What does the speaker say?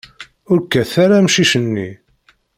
Ur kkat ara amcic-nni!